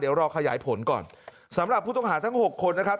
เดี๋ยวรอขยายผลก่อนสำหรับผู้ต้องหาทั้ง๖คนนะครับ